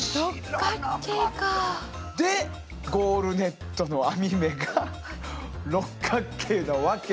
でゴールネットの編目が六角形のワケは？